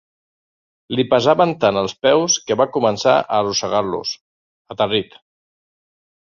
Li pesaven tant els peus que va començar a arrossegar-los, aterrit.